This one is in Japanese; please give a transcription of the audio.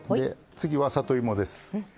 次は里芋です。